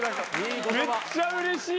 めっちゃうれしい。